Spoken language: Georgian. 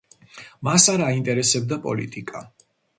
მას არ აინტერესებდა პოლიტიკა.